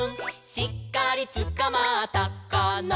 「しっかりつかまったかな」